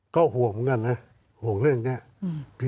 ก็ห่วงเหมือนกันนะห่วงเรื่องนี้